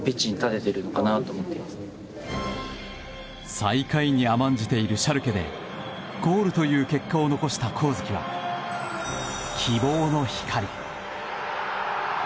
最下位に甘んじているシャルケでゴールという結果を残した上月は希望の光。